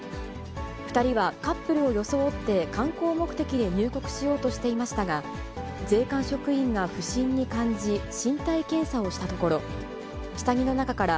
２人はカップルを装って観光目的で入国しようとしていましたが、税関職員が不審に感じ、身体検査をしたところ、下着の中から、